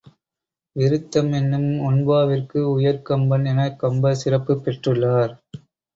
விருத்தம் என்னும் ஒண்பாவிற்கு உயர்கம்பன் எனக் கம்பர் சிறப்பிக்கப் பெற்றுள்ளார்.